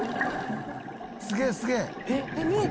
「すげえすげえ！」